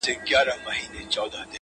سمدستي یې د مرګي مخي ته سپر کړي.!